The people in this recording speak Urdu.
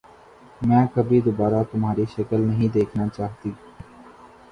میں کبھی دوبارہ تمہاری شکل نہیں دیکھنا چاہتی۔